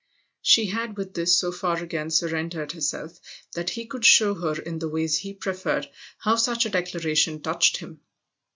" She had with this so far again surrendered her self that he could show her in the ways he pre ferred how such a declaration touched him.